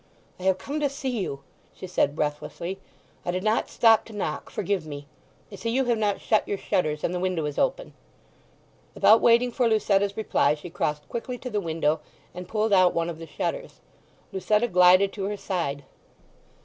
"I have come to see you," she said breathlessly. "I did not stop to knock—forgive me! I see you have not shut your shutters, and the window is open." Without waiting for Lucetta's reply she crossed quickly to the window and pulled out one of the shutters. Lucetta glided to her side.